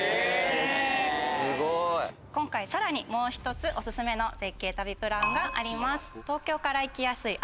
今回さらにもう１つおすすめの絶景旅プランがあります。